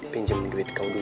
pinjam uang kamu dulu fik